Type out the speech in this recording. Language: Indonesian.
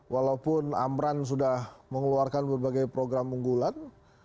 walaupun amran sudah mengeluarkan berbagai program unggulan